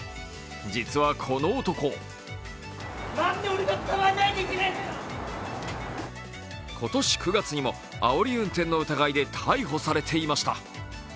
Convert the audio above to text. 実は、この男今年９月にもあおり運転の疑いで逮捕されていました。